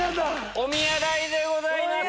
おみや代でございます。